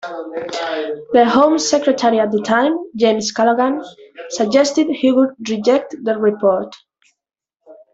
The Home Secretary at the time, James Callaghan, suggested he would reject the report.